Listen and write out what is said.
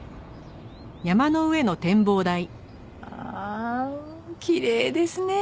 ああきれいですねえ。